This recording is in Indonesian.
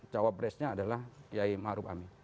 capresnya adalah yai ma'ruf amin